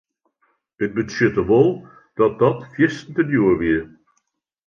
It betsjutte wol dat dat fierste djoer wie.